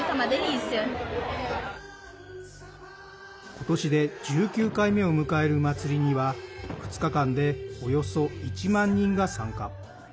今年で１９回目を迎える祭りには２日間で、およそ１万人が参加。